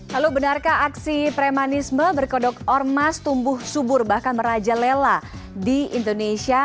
halo benarkah aksi premanisme berkodok ormas tumbuh subur bahkan merajalela di indonesia